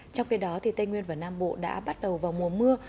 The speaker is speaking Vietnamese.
trong khi đó tây nguyên và nam bộ đã bắt đầu vào mùa mưa